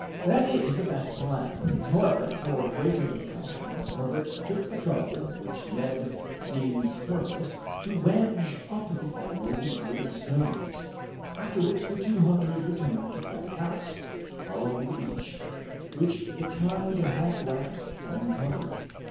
"That is the best plan." However, for greater precaution, Herbert took the trouble, which Neb deemed superfluous, to wedge up the animal with great stones; after which the two hunters returned to Granite House, following the beach, which the tide had left uncovered.